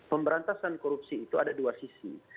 pemberantasan korupsi itu ada dua sisi